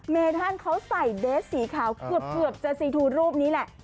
เมธันเขาใส่เดสสีขาวเกือบจะซีทูรูปนี้แหละ